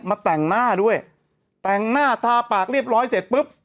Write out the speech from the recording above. แต่งหน้าด้วยแต่งหน้าทาปากเรียบร้อยเสร็จปุ๊บ